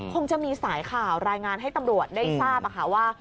คงจะมีสายข่าวรายงานให้ตำรวจได้ทราบว่า